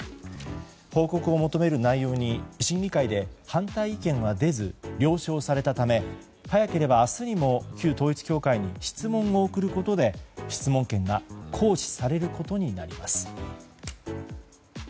報告を求める内容に審議会で反対意見は出ず了承されたため早ければ明日にも旧統一教会に質問を送ることで質問権が行使されることになります。